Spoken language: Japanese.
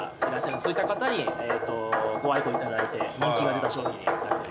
そういった方にご愛顧いただいて人気が出た商品に。